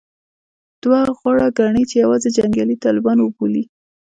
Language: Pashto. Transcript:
دوی غوره ګڼي چې یوازې جنګیالي طالبان وبولي